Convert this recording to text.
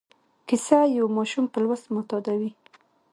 کیسه یو ماشوم په لوست معتادوي.